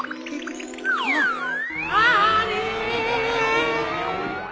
あっあれ。